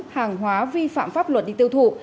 hàng hóa vi phạm pháp luật đi tiêu thụ